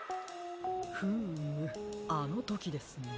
フームあのときですね。